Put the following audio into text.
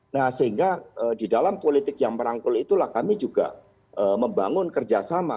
nah sehingga di dalam politik yang merangkul itulah kami juga membangun kerjasama